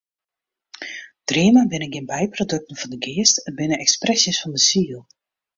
Dreamen binne gjin byprodukten fan de geast, it binne ekspresjes fan de siel.